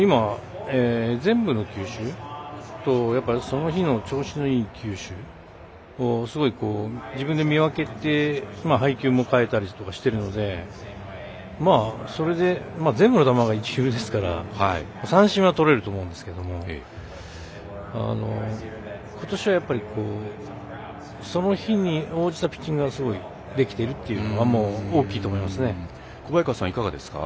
全部の球種とその日の調子のいい球種をすごい自分で見分けて配球も変えたりとかしているのでそれで、全部の球が一級ですから三振はとれると思いますがことしはその日に応じたピッチングがすごいできているというのは大きいと思いますね。